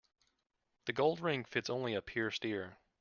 The gold ring fits only a pierced ear.